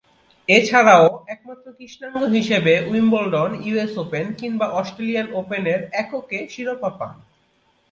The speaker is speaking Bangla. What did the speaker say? এছাড়াও, একমাত্র কৃষ্ণাঙ্গ হিসেবে উইম্বলডন, ইউএস ওপেন কিংবা অস্ট্রেলিয়ান ওপেনের এককে শিরোপা পান।